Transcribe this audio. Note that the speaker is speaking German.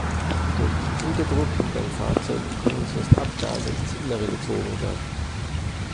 Durch den Unterdruck hinterm Fahrzeug können sonst Abgase ins Innere gesogen werden.